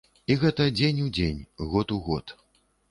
І гэта дзень у дзень, год у год.